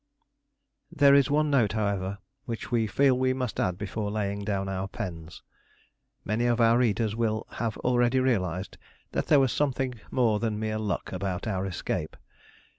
There is one note, however, which we feel we must add before laying down our pens. Many of our readers will have already realised that there was something more than mere luck about our escape.